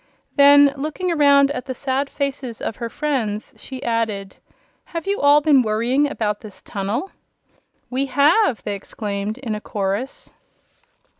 Then, looking around at the sad faces of her friends, she added: "Have you all been worrying about this tunnel?" "We have!" they exclaimed in a chorus.